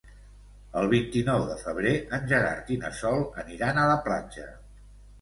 El vint-i-nou de febrer en Gerard i na Sol aniran a la platja.